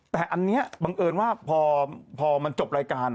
แต่อันนี้บังเอิญว่าพอมันจบรายการ